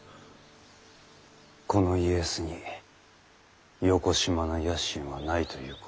この家康によこしまな野心はないということを。